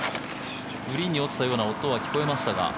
グリーンに落ちたような音は聞こえましたが。